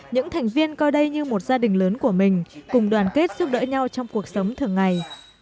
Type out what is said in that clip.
những thành viên coi đây như một gia đình lớn của mình cùng đoàn kết giúp đỡ nhau trong cuộc sống thường ngày